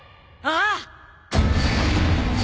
ああ。